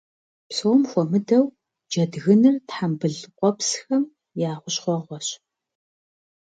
Псом хуэмыдэу, джэдгыныр тхьэмбыл къуэпсхэм и хущхъуэгъуэщ.